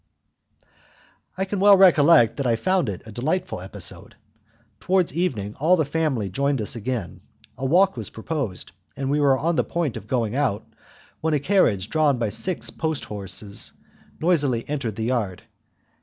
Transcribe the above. I can well recollect that I found it a delightful episode. Towards evening all the family joined us again, a walk was proposed, and we were on the point of going out, when a carriage drawn by six post horses noisily entered the yard.